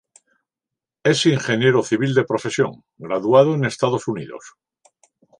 Es ingeniero civil de profesión, graduado en Estados Unidos.